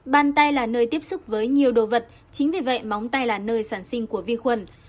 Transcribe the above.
bàn tay là nơi tiếp xúc với nhiều đồ vật chính vì vậy móng tay là nơi sản sinh của vi khuẩn